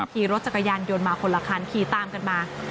ขี่รถจักรยานยนต์มาคนละคันขี่ตามกันมา